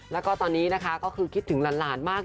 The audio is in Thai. แล้วก็ตอนนี้ก็คือิกคืนหลานมาก